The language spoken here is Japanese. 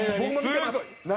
何？